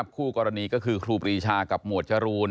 คู่กรณีก็คือครูปรีชากับหมวดจรูน